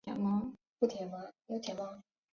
他外出买东西